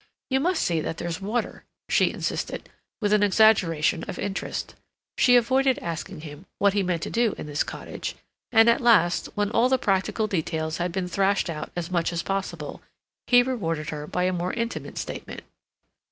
"You must see that there's water," she insisted, with an exaggeration of interest. She avoided asking him what he meant to do in this cottage, and, at last, when all the practical details had been thrashed out as much as possible, he rewarded her by a more intimate statement.